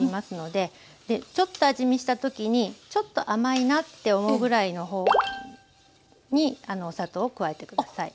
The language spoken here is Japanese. でちょっと味見した時にちょっと甘いなって思うぐらいの方に砂糖を加えて下さい。